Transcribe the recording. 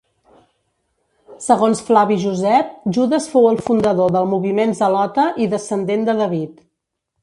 Segons Flavi Josep, Judes fou el fundador del moviment zelota i descendent de David.